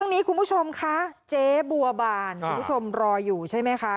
คุณผู้ชมคะเจ๊บัวบานคุณผู้ชมรออยู่ใช่ไหมคะ